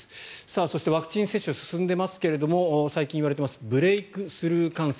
そしてワクチン接種進んでますけれども最近いわれていますブレークスルー感染。